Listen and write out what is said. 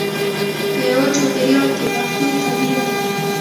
په یوه چاپېریال کې پښتو قوي ده.